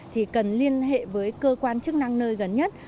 thì cần liên hệ với cơ quan chức năng nơi gần nhất